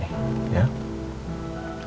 kita cari kafe deket sini